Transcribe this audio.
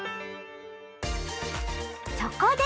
そこで！